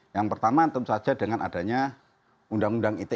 yang pertama tentu saja dengan adanya undang undang ite